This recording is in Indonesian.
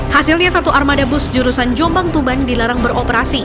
hasilnya satu armada bus jurusan jombang tuban dilarang beroperasi